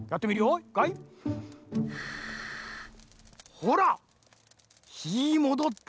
ほらひもどった。